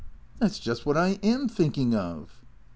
" That 's just what I am thinking of."